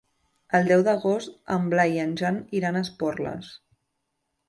El deu d'agost en Blai i en Jan iran a Esporles.